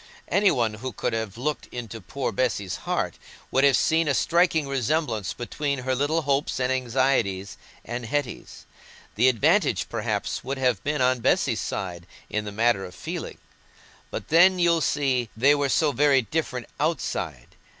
Any one who could have looked into poor Bessy's heart would have seen a striking resemblance between her little hopes and anxieties and Hetty's. The advantage, perhaps, would have been on Bessy's side in the matter of feeling. But then, you see, they were so very different outside!